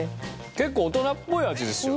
結構大人っぽい味ですよね。